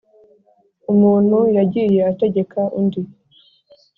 umuntu yagiye ategeka undi